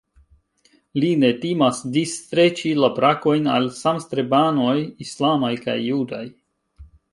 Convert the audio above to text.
Li ne timas disstreĉi la brakojn al samstrebanoj islamaj kaj judaj.